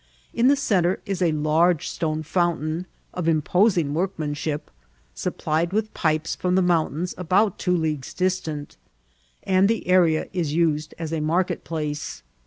In the centre is a large stone fountain, of imposing workmanship, supplied with pipes from tiie mountains about two leagues distant ; and the area ia THB DIPLOMATIC RB8IDXNCB. 198 tised as a market place.